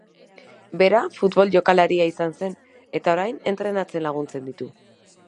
Bera futbol jokalaria izan zen eta orain entrenatzen laguntzen ditu.